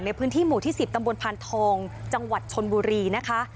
ในพื้นที่หมู่ที่๑๐ตำบลพานทองจังหวัดชนบุรีนะคะ